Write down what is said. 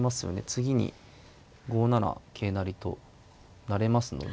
次に５七桂成と成れますので。